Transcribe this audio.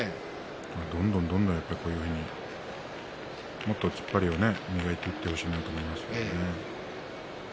どんどん、どんどんやっぱりこういうふうにもっと突っ張りを磨いていってほしいなと思いますね。